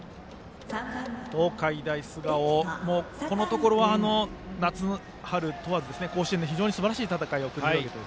東海大菅生もこのところは夏、春問わず、甲子園ですばらしい戦いを繰り広げてます。